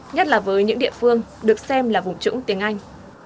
nhất là với những địa phương được xem là vùng trũng tiếng anh